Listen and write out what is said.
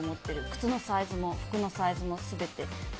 靴のサイズも服のサイズも全て。